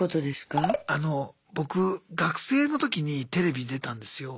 僕学生の時にテレビ出たんですよ。